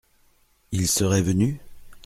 Ils seraient venus ?